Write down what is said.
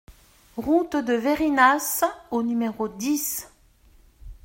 Route de Veyrinas au numéro dix